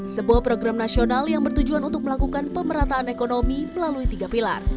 sebuah program nasional yang bertujuan untuk melakukan pemerataan ekonomi melalui tiga pilar